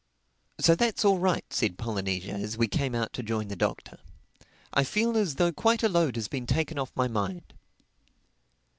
"So that's all right," said Polynesia as we came out to join the Doctor. "I feel as though quite a load had been taken off my mind."